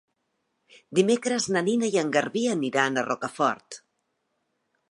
Dimecres na Nina i en Garbí aniran a Rocafort.